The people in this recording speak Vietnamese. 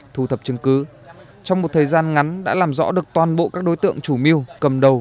thu thập chứng cứ trong một thời gian ngắn đã làm rõ được toàn bộ các đối tượng chủ mưu cầm đầu